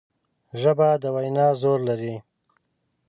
ژبه د وینا زور لري